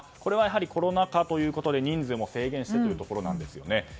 コロナ禍ということで人数も制限してくるところですよね。